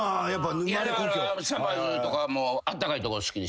だからさまぁずとかもあったかいとこ好きでしょ。